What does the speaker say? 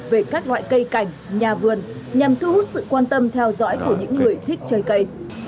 về các loại cây cảnh nhà vườn nhằm thu hút sự quan tâm theo dõi của những người thích chơi cây